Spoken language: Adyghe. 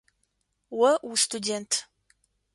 О устудэнт.